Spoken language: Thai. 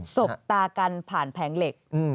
บตากันผ่านแผงเหล็ก